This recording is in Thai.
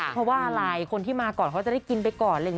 เพราะว่าอะไรคนที่มาก่อนเขาจะได้กินไปก่อนเลย